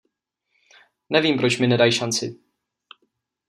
Nevím, proč mi nedaj šanci.